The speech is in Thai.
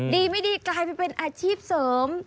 ดีไม่ดีกลายเป็นอาชีพเสริม